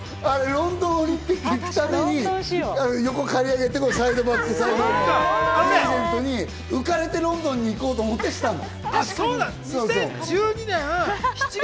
ロンドンオリンピックに行くために横刈り上げてサイドバックにして、リーゼントでロンドンに行こうと思ってしたの。